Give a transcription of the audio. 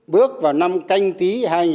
bước vào năm canh tí hai nghìn hai mươi